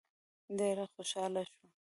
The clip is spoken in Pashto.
ډېر خوشحاله شو.